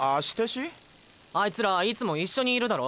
あいつらいつも一緒にいるだろ。